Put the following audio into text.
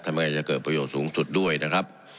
ยังไงจะเกิดประโยชน์สูงสุดด้วยนะครับ